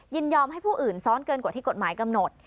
ยินยอมให้ผู้อื่นซ้อนเกินกว่าที่กฎหมายกำหนด